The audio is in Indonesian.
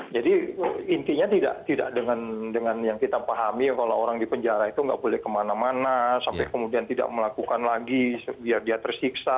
jadi intinya tidak dengan yang kita pahami kalau orang di penjara itu nggak boleh kemana mana sampai kemudian tidak melakukan lagi biar dia tersiksa